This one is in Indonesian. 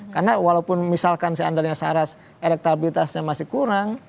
karena walaupun misalkan seandainya saras elektabilitasnya masih kurang